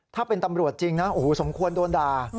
ถ้าเป็นตำรวจจริงนะโอ้โหสมควรโดนด่า